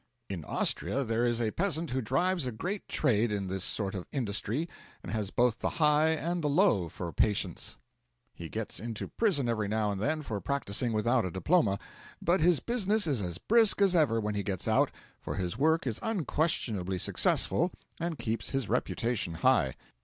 In Austria there is a peasant who drives a great trade in this sort of industry and has both the high and the low for patients. He gets into prison every now and then for practising without a diploma, but his business is as brisk as ever when he gets out, for his work is unquestionably successful and keeps his reputation high.